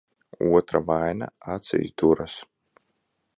Otra vainas acīs duras.